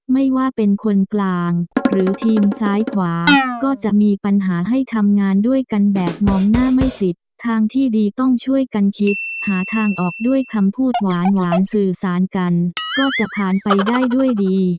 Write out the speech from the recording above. ไม่ว่าเป็นคนกลางหรือทีมซ้ายขวาก็จะมีปัญหาให้ทำงานด้วยกันแบบมองหน้าไม่สิทธิ์ทางที่ดีต้องช่วยกันคิดหาทางออกด้วยคำพูดหวานสื่อสารกันก็จะผ่านไปได้ด้วยดี